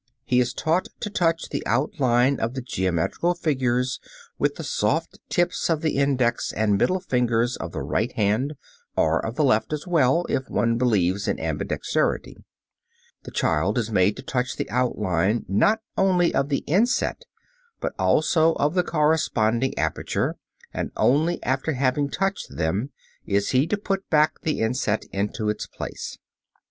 He is taught to touch the outline of the geometrical figures with the soft tips of the index and middle finger of the right hand, or of the left as well, if one believes in ambidexterity. (Fig. 24.) The child is made to touch the outline, not only of the inset, but also of the corresponding aperture, and, only after having touched them, is he to put back the inset into its place.